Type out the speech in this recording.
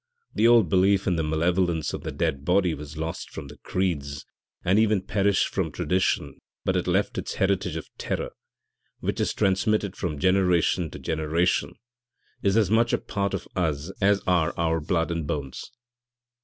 The old belief in the malevolence of the dead body was lost from the creeds and even perished from tradition but it left its heritage of terror, which is transmitted from generation to generation is as much a part of us as are our blood and bones.'